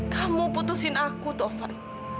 kamu putusin aku taufan